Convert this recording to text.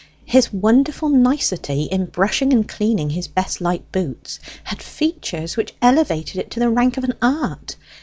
His wonderful nicety in brushing and cleaning his best light boots had features which elevated it to the rank of an art.